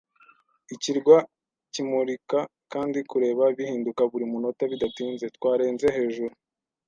ikirwa kimurika kandi kureba bihinduka buri munota. Bidatinze, twarenze hejuru